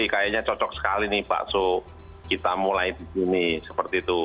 jadi kayaknya cocok sekali nih bakso kita mulai di sini seperti itu